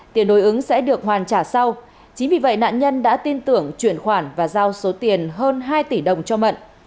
tiền đối ứng sẽ được hoàn trả sau chính vì vậy nạn nhân đã tin tưởng chuyển khoản và giao số tiền hơn hai tỷ đồng cho mận